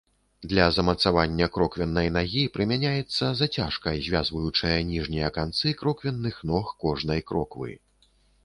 Для замацавання кроквеннай нагі прымяняецца зацяжка, звязваючая ніжнія канцы кроквенных ног кожнай кроквы.